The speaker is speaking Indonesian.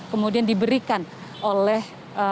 kemudian diberikan oleh